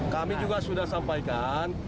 kami juga sudah sampaikan